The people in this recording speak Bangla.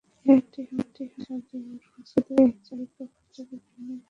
ইহা একটি সংস্কৃত শব্দ এবং সংস্কৃতে এই চারিপ্রকার যোগের ভিন্ন ভিন্ন নাম আছে।